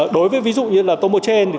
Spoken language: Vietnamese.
đối với ví dụ như là tomochain